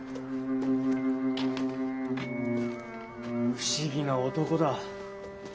不思議な男だ。